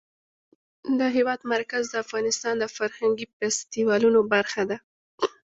د هېواد مرکز د افغانستان د فرهنګي فستیوالونو برخه ده.